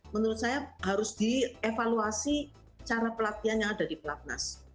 menurut saya harus dievaluasi cara pelatihan yang ada di pelatnas